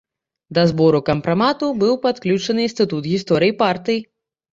Да збору кампрамату быў падключаны інстытут гісторыі партыі.